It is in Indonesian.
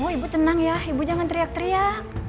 oh ibu tenang ya ibu jangan teriak teriak